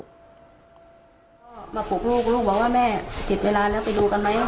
ก็มาปลุกลูกลูกบอกว่าแม่ผิดเวลาแล้วไปดูกันไหม